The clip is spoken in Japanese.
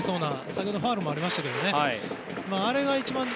先ほどファウルもありましたけどあれが一番ね。